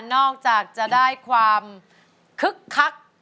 นอกจากจะได้ความคึกคัก